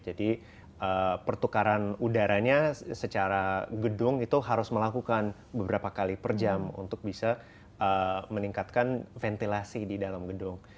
jadi pertukaran udaranya secara gedung itu harus melakukan beberapa kali per jam untuk bisa meningkatkan ventilasi di dalam gedung